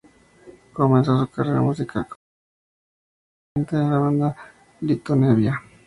Comenzó su carrera musical como tecladista acompañante en la banda de Lito Nebbia.